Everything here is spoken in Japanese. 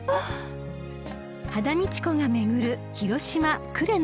［羽田美智子が巡る広島呉の旅］